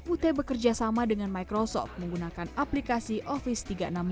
ut bekerja sama dengan microsoft menggunakan aplikasi office tiga ratus enam puluh lima